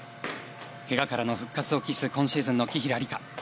けがからの復帰を期す今シーズンの紀平梨花。